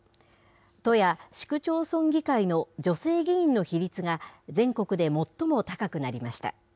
都や市区町村議会の女性議員の比率が、全国で最も高くなりました。